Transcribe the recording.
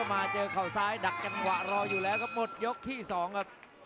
จังหวาดึงซ้ายตายังดีอยู่ครับเพชรมงคล